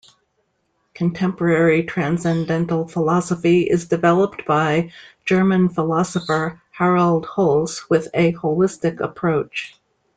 Contemporary transcendental philosophy is developed by German philosopher Harald Holz with a holistic approach.